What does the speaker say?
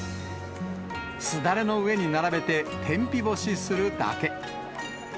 すだれの上に並べて天日干しするだけ。